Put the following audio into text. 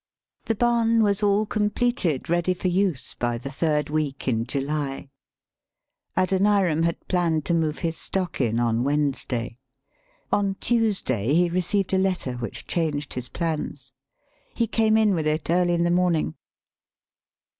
] The barn was all completed ready for use by the third week in July. Adoniram had planned to move his stock in on Wednesday; on Tuesday he received a letter which changed his plans. He came in with it early in the morning.